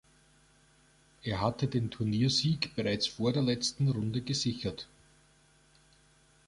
Er hatte den Turniersieg bereits vor der letzten Runde gesichert.